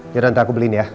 yaudah nanti aku beliin ya